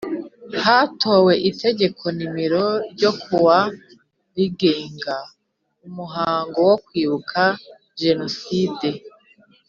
Hatowe itegeko nimero ryo kuwa rigenga umuhango wo Kwibuka Jenoside